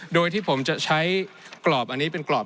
โดยที่ผมจะใช้กรอบอันนี้เป็นกรอบ